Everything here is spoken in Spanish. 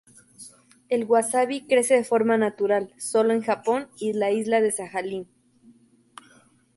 El wasabi crece de forma natural sólo en Japón y la isla de Sajalín.